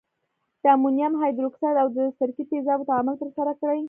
د امونیم هایدورکساید او د سرکې تیزابو تعامل ترسره کړئ.